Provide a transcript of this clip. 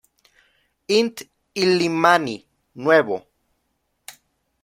Inti-Illimani Nuevo